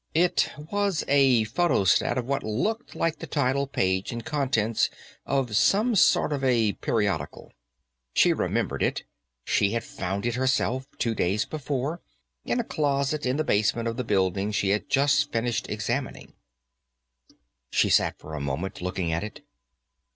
It was a photostat of what looked like the title page and contents of some sort of a periodical. She remembered it; she had found it herself, two days before, in a closet in the basement of the building she had just finished examining. She sat for a moment, looking at it.